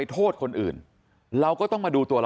มันต้องการมาหาเรื่องมันจะมาแทงนะ